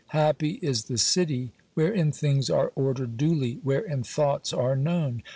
Happy is the city wherein things are ordered duly, wherein thoughts are known